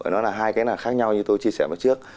nó là hai cái nào khác nhau như tôi chia sẻ trước